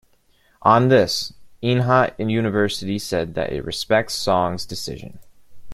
On this, Inha University said, that it respects Song's decisions.